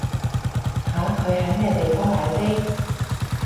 吓？佢喺咩地方買飛？